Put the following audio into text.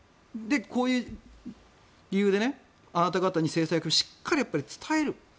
こういう理由であなた方に制裁をするとしっかり伝える。